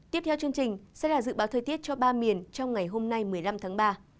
tiếp theo chương trình sẽ là dự báo thời tiết cho ba miền trong ngày hôm nay một mươi năm tháng ba